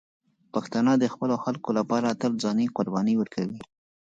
پښتانه د خپلو خلکو لپاره تل ځاني قرباني ورکوي.